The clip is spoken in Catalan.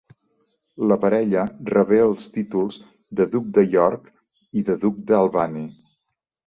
La parella rebé els títols de duc de York i de duc d'Albany.